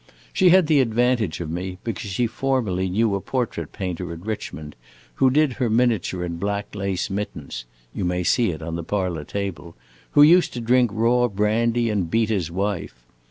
She had the advantage of me, because she formerly knew a portrait painter at Richmond, who did her miniature in black lace mittens (you may see it on the parlor table), who used to drink raw brandy and beat his wife.